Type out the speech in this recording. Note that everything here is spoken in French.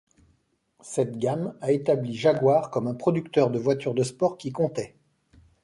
Cette gamme a établi Jaguar comme un producteur de voitures de sport qui comptait.